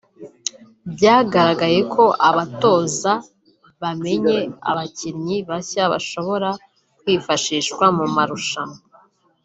byagaragaye ko abatoza bamenye abakinnyi bashya bashobora kwifashishwa mu marushanwa